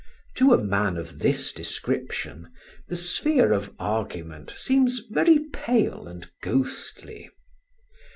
To a man of this description, the sphere of argument seems very pale and ghostly.